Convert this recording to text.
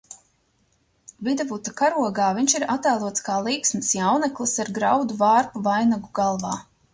Videvuta karogā viņš ir attēlots kā līksms jauneklis ar graudu vārpu vainagu galvā.